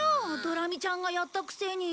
ドラミちゃんがやったくせに。